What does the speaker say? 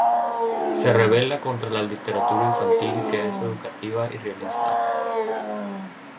Se rebela contra la literatura infantil que es educativa y realista.